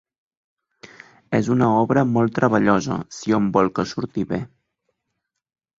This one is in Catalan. És una obra molt treballosa, si hom vol que surti bé.